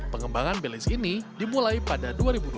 pengembangan belis ini dimulai pada dua ribu dua belas